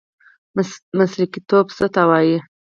مسلکي توب څه ته وایي؟